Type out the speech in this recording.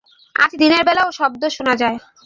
আজ দিনের বেলাও শব্দ শুনা যায়।